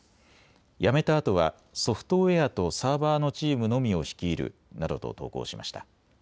辞めたあとはソフトウエアとサーバーのチームのみを率いるなどと投稿しました。